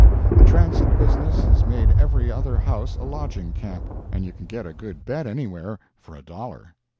The transit business has made every other house a lodging camp, and you can get a good bed anywhere for a dollar.